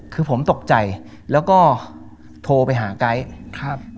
คือผมตกใจแล้วก็โทรไปหากไกท์